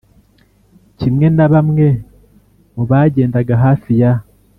kimwe na bamwe mu bagendaga hafi ya